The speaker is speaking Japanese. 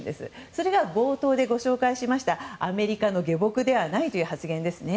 それが冒頭でご紹介したアメリカの下僕ではないという発言です。